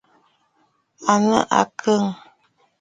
À nɨ̂ àkə̀?